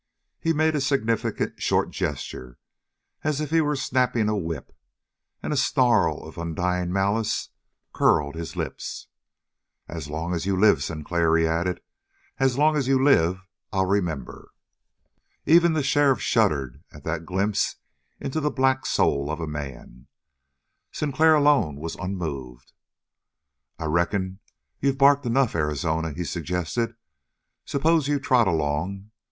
He made a significant, short gesture, as if he were snapping a whip, and a snarl of undying malice curled his lips. "As long as you live, Sinclair," he added. "As long as you live, I'll remember." Even the sheriff shuddered at that glimpse into the black soul of a man; Sinclair alone was unmoved. "I reckon you've barked enough, Arizona," he suggested. "S'pose you trot along.